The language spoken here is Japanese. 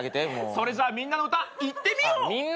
それじゃあ『みんなのうた』いってみよう！